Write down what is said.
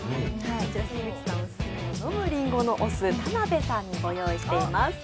こちら樋口さんオススメの飲むお酢、田辺さんにご用意しています。